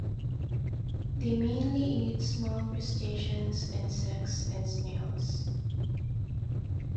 They mainly eat small crustaceans, insects, and snails.